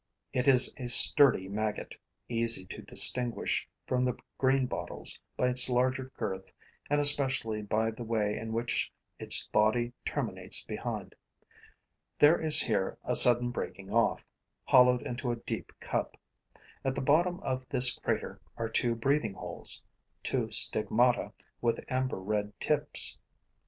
It is a sturdy maggot, easy to distinguish from the greenbottle's by its larger girth and especially by the way in which its body terminates behind. There is here a sudden breaking off, hollowed into a deep cup. At the bottom of this crater are two breathing holes, two stigmata with amber red tips.